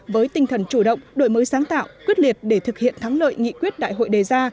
với tinh thần chủ động đổi mới sáng tạo quyết liệt để thực hiện thắng lợi nghị quyết đại hội đề ra